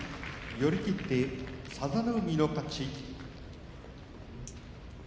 寄り切って、佐田の海の勝ち。